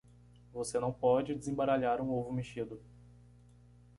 Você não pode desembaralhar um ovo mexido.